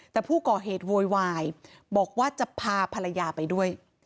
แต่ผู้ก่อเหตุโวยวายบอกว่าจะพาภรรยาไปด้วย